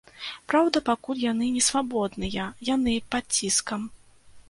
Праўда, пакуль яны несвабодныя, яны пад ціскам.